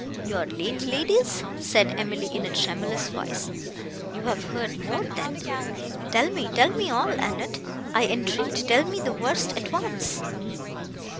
"Your late lady's," said Emily in a tremulous voice; "you have heard more, then. Tell me—tell me all, Annette, I entreat; tell me the worst at once."